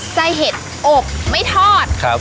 ใช่ครับ